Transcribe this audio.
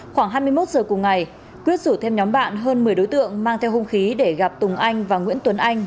khoảng hai mươi một giờ cùng ngày quyết rủ thêm nhóm bạn hơn một mươi đối tượng mang theo hung khí để gặp tùng anh và nguyễn tuấn anh